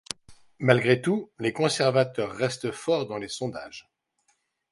Malgré tout, les conservateurs restent forts dans les sondages.